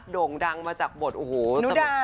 ด่งดังมาจากบทโนดา